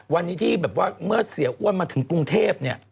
วันนี้ที่แบบว่าเมื่อเสียอ้วนมาถึงกรุงเทพเนี่ย